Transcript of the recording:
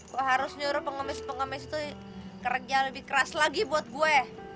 gue harus nyuruh pengamis pengamis itu kerja lebih keras lagi buat gue